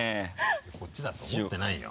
こっちだって思ってないよ。